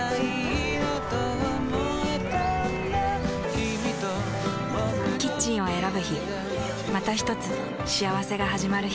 キミとボクの未来だキッチンを選ぶ日またひとつ幸せがはじまる日